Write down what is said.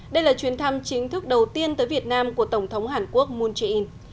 đây là chuyến thăm chính thức đầu tiên tới việt nam của tổng thống hàn quốc moon jae in